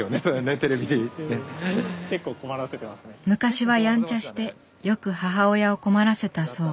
昔はやんちゃしてよく母親を困らせたそう。